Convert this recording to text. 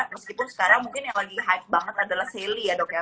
meskipun sekarang mungkin yang lagi hype banget adalah sally ya dok ya